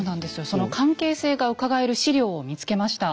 その関係性がうかがえる史料を見つけました。